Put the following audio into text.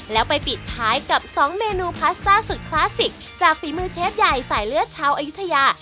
แล้วไปปิดท้ายกับ๒เมนูพาสต้าสุดคลาสสิกจากฝีมือเชฟใหญ่สายเลือดชาวอายุทยา